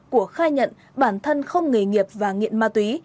của khai nhận bản thân không nghề nghiệp và nghiện ma túy